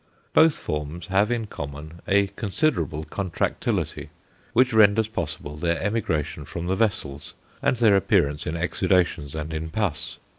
Both forms have in common a considerable contractility, which renders possible their emigration from the vessels, and their appearance in exudations and in pus.